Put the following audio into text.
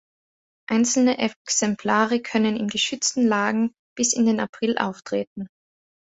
Einzelne Exemplare können in geschützten Lagen bis in den April auftreten.